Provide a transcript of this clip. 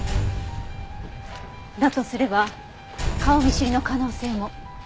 だとすれば顔見知りの可能性も。